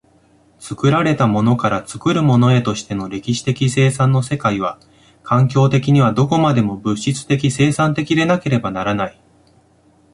作られたものから作るものへとしての歴史的生産の世界は、環境的にはどこまでも物質的生産的でなければならない。